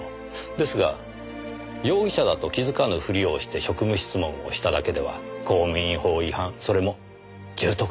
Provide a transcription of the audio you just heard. ですが容疑者だと気づかぬ振りをして職務質問をしただけでは公務員法違反それも重篤とは言えません。